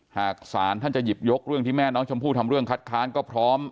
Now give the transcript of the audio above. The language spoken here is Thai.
หากศาลท่านจะหยิบยกเรื่องที่แม่น้องชมพู่ทำเรื่องคัดค้านก็พร้อม